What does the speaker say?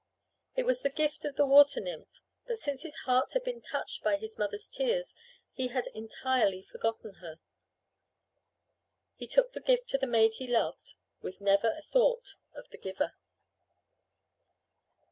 It was the gift of the water nymph, but since his heart had been touched by his mother's tears he had entirely forgotten her. He took the gift to the maid he loved with never a thought of the giver.